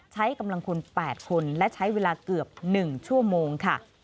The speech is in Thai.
ใช้กำลังคน๘คนและใช้เวลาเกือบ๑ชั่วโมงค่ะ